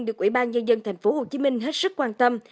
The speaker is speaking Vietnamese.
được ủy ban nhân dân tp hcm hết sức quan tâm